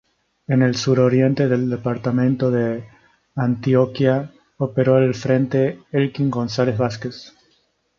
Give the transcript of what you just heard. En el suroriente del departamento de Antioquia operó el frente "Elkin González Vásquez".